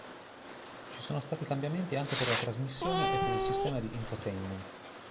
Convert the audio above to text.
Ci sono stati cambiamenti anche per la trasmissione e per il sistema di infotainment.